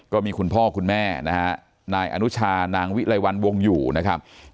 ก็มีคุณพ่อคุณแม่นะฮะนายอนุชานางวิไลวันวงอยู่นะครับ